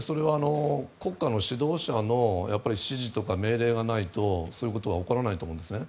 国家の指導者の指示とか命令がないとそういうことは起こらないと思いますね。